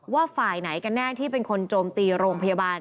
ว่าฝ่ายไหนกันแน่ที่เป็นคนโจมตีโรงพยาบาล